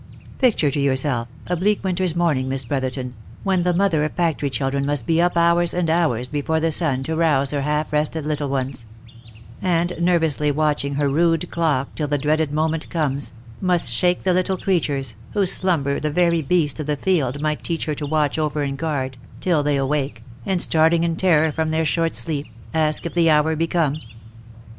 Picture to yourself a bleak winter's morn ing, Miss Brotherton, when the mother of factory children must be up hours and hours before the sun to rouse her half rested little ones ; and nervously watching her rude clock till the dreaded moment comes, must shake the little creatures, whose slumber the very beast of the field might teach her to watch over and guard, till they awake, and starting in terror from their short sleep, ask if the hour be come